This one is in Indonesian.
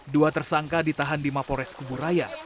dua tersangka ditahan di mapores kuburaya